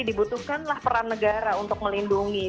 dibutuhkanlah peran negara untuk melindungi